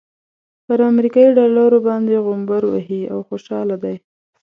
پر امريکايي ډالرو باندې غومبر وهي او خوشحاله دی.